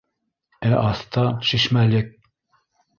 Ә аҫта - шишмәлек.